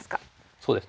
そうですね。